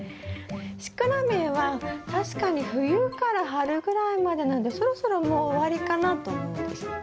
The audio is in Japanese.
シクラメンは確かに冬から春ぐらいまでなんでそろそろもう終わりかなと思うんです。